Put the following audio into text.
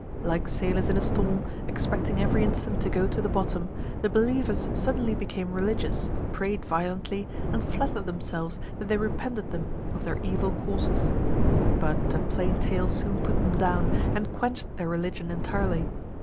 Like sailors in a storm, expecting every instant to go to the bottom, the believers suddenly became religious, prayed violently, and flattered themselves that they repented them of their evil courses. But a plain tale soon put them down, and quenched their religion entirely.